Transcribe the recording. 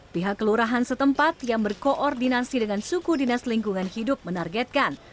pihak kelurahan setempat yang berkoordinasi dengan suku dinas lingkungan hidup menargetkan